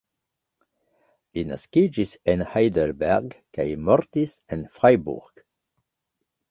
Li naskiĝis en Heidelberg kaj mortis en Freiburg.